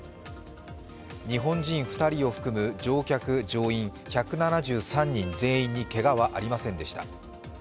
日本人２人を含む乗客・乗員１７３人全員にけがはありませんでした。